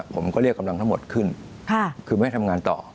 ผมก็เรียกกำลังทั้งหมดขึ้นคือไม่ให้ทำงานต่อ